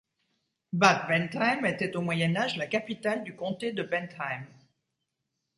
Bad Bentheim était au Moyen Âge la capitale du comté de Bentheim.